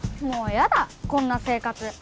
もう嫌だこんな生活。